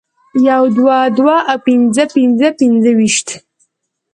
يو دوه دوه او پنځه پنځه پنځویشت